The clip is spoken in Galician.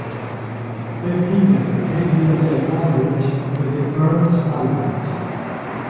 É filla de Heidi Adele Albrecht e de Ernst Albrecht.